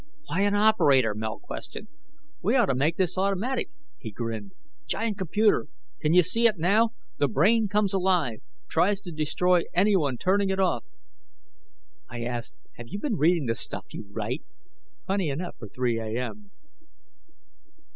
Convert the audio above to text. Why an operator?" Mel questioned. "We ought to make this automatic." He grinned. "Giant computer ... can see it now: the brain comes alive, tries to destroy anyone turning it off " I asked: "Have you been reading the stuff you write?" Funny enough for 3 A.M.